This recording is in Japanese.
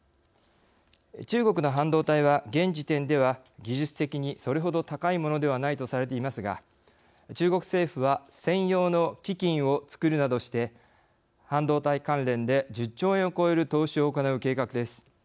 中国の半導体は現時点では技術的にそれほど高いものではないとされていますが中国政府は専用の基金をつくるなどして半導体関連で１０兆円を超える投資を行う計画です。